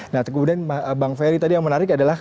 nah kemudian bang ferry tadi yang menarik adalah